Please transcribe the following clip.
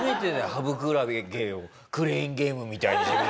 ハブクラゲをクレーンゲームみたいに自分で。